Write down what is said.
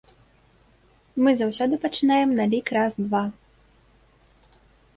Мы заўсёды пачынаем на лік раз-два.